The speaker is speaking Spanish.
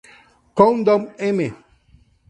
Countdown", "M!